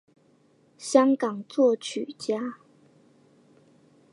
香港作曲家。